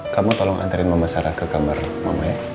kamu tolong antarin mama sarah ke kamar mama ya